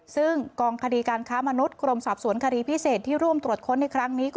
ซึ่งกองคดีการค้ามนุษย์กรมสอบสวนคดีพิเศษที่ร่วมตรวจค้นในครั้งนี้